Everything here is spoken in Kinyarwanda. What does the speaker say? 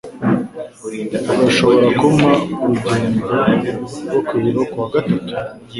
Urashobora kumpa urugendo rwo ku biro kuwa gatatu?